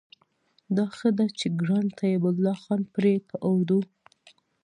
دا ښه ده چې ګران طيب الله خان پرې په اردو